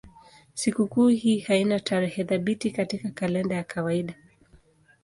Sikukuu hii haina tarehe thabiti katika kalenda ya kawaida.